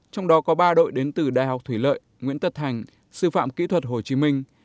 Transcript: trong đó có ba đội đến từ đại học thủy lợi nguyễn tật thành sư phạm kỹ thuật hồ chí minh